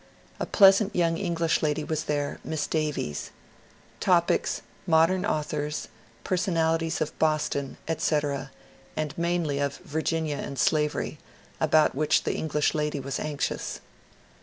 A pleasant young English lady was there, — Miss Davies. Topics Modem Authors, Personalities of Boston, etc., and mainly of Virginia and Slavery, — about which the English lady was anxious."